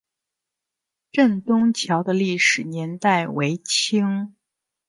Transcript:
镇东桥的历史年代为清。